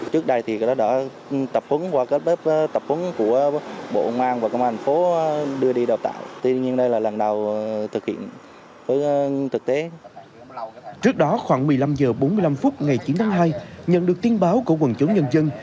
trước đó khoảng một mươi năm h bốn mươi năm phút ngày chín tháng hai nhận được tin báo của quần chúng nhân dân